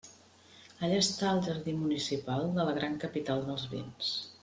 Allà està al jardí municipal de la gran capital dels vins.